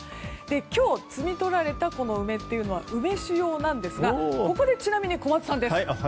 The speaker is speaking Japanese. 今日、摘み取られた梅というのは梅酒用なんですがここで小松さんです。